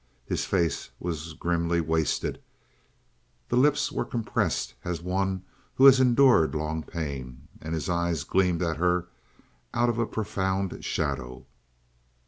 His face was grimly wasted; the lips were compressed as one who has endured long pain; and his eyes gleamed at her out of a profound shadow.